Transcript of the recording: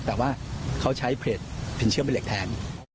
แต่ว่าเขาใช้เพลตเป็นเชื่อมเป็นเหล็กแทน